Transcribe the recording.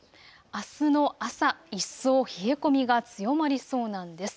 あすの朝、一層、冷え込みが強まりそうなんです。